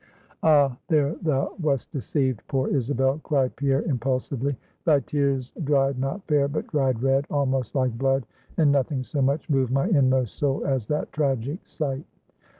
"Ah, there thou wast deceived, poor Isabel," cried Pierre impulsively; "thy tears dried not fair, but dried red, almost like blood; and nothing so much moved my inmost soul as that tragic sight."